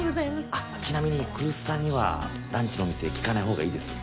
あっちなみに来栖さんにはランチのお店聞かないほうがいいですよ。